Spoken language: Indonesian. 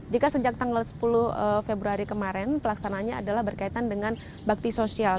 jika sejak tanggal sepuluh februari kemarin pelaksananya adalah berkaitan dengan bakti sosial